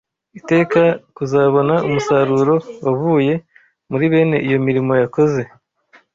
iteka kuzabona umusaruro wavuye muri bene iyo mirimo yakoze?